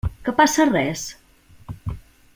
Que passa res?